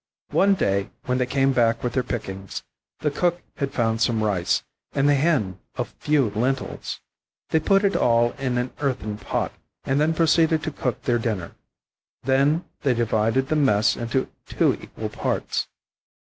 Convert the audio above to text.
One day, when they came back with their pickings, the Cock had found some rice, and the Hen a few lentils. They put it all in an earthen pot, and then proceeded to cook their dinner. Then they divided the mess into two equal parts.